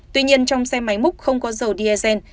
tuy nhiên trong xe máy múc không có dầu diesel